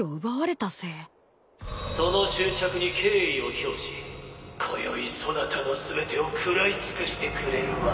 ・その執着に敬意を表しこよいそなたの全てを食らい尽くしてくれるわ。